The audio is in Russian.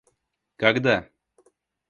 когда